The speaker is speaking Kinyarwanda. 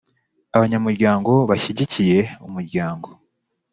abanyamuryango bashyigikiye Umuryango